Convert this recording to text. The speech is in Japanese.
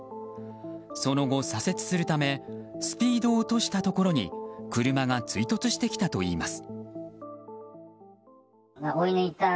その後、左折するためスピードを落としたところに車が追突してきたといいます。